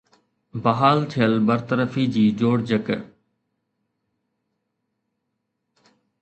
بحال ٿيل برطرفي جي جوڙجڪ